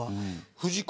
藤子